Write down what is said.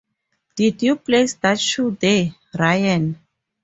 Did you place that shoe there, Ryan?